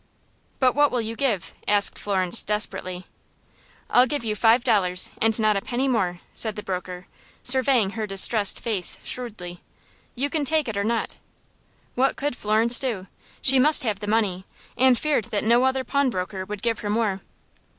"But what will you give?" asked Florence, desperately. "I'll give you five dollars, and not a penny more," said the broker, surveying her distressed face, shrewdly. "You can take it or not." What could Florence do? She must have money, and feared that no other pawnbroker would give her more.